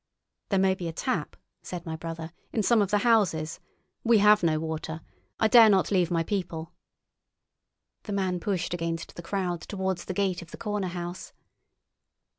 "There may be a tap," said my brother, "in some of the houses. We have no water. I dare not leave my people." The man pushed against the crowd towards the gate of the corner house.